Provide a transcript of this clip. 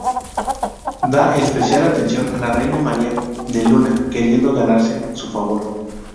Da especial atención a la reina María de Luna, queriendo ganarse su favor.